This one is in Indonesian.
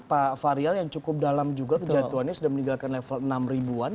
pak fahrial yang cukup dalam juga kejatuhannya sudah meninggalkan level enam ribuan